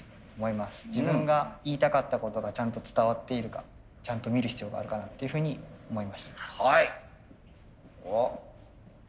自分が言いたかったことがちゃんと伝わっているかちゃんと見る必要があるかなっていうふうに思いました。